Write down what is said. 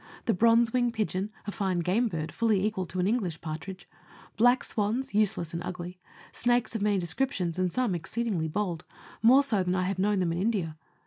the bronzewing pigeon, a fine game bird, fully equal to an English partridge; black swans useless and ugly; snakes of many descriptions, and some exceedingly bold more so than I have known them in India.